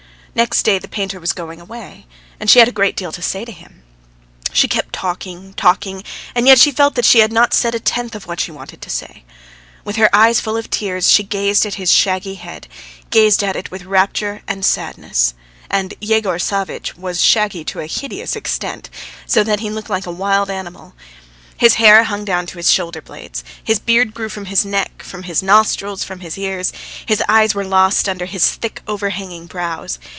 Next day the painter was going away, and she had a great deal to say to him. She kept talking, talking, and yet she felt that she had not said a tenth of what she wanted to say. With her eyes full of tears, she gazed at his shaggy head, gazed at it with rapture and sadness. And Yegor Savvitch was shaggy to a hideous extent, so that he looked like a wild animal. His hair hung down to his shoulder blades, his beard grew from his neck, from his nostrils, from his ears; his eyes were lost under his thick overhanging brows.